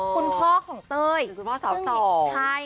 คุณพ่อของเต้ย